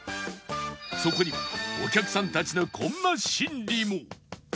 そこにはお客さんたちのこんな心理も